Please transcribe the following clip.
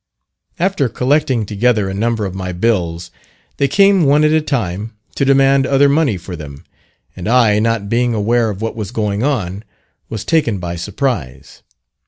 After collecting together a number of my bills, they came one at a time to demand other money for them, and I, not being aware of what was going on, was taken by surprise.